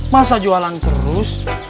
masa jualan terus